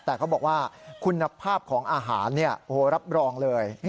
แต่เขาบอกว่าคุณภาพของอาหารเนี่ยโอ้โฮรับรองเลย